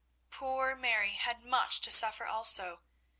Poor Mary had much to suffer also.